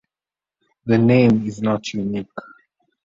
The name is not unique.